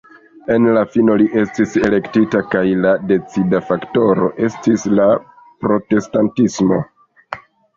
En la fino, li estis elektita kaj la decida faktoro estis la protestantismo.